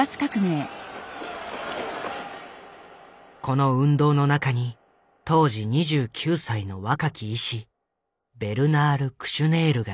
この運動の中に当時２９歳の若き医師ベルナール・クシュネールがいた。